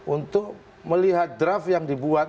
untuk melihat draft yang dibuat